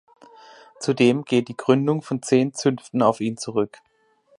Zudem geht die Gründung von zehn Zünften auf ihn zurück.